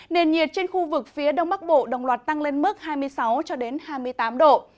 nền nhiệt trên khu vực phía đông bắc bộ đồng loạt tăng lên mức hai mươi sáu cho đến hai mươi tám độ